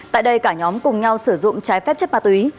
tại đây cả nhóm cùng nhau sử dụng trái phép chất ma túy